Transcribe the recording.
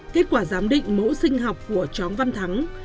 kết quả giám định mẫu sinh học của chó văn thắng